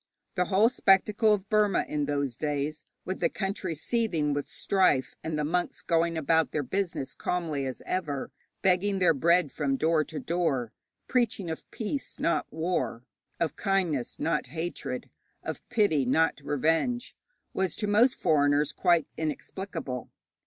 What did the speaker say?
The whole spectacle of Burma in those days, with the country seething with strife, and the monks going about their business calmly as ever, begging their bread from door to door, preaching of peace, not war, of kindness, not hatred, of pity, not revenge, was to most foreigners quite inexplicable.